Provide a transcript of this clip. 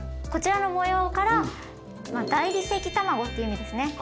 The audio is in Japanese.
こちらの模様から大理石たまごっていう意味ですね。